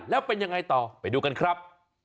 แล้วเป็นยังไงต่อไปดูกันครับ